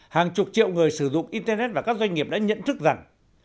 hàng chục triệu người sử dụng internet và các doanh nghiệp đã nhận thức rằng